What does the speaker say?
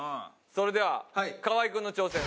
それでは河合君の挑戦。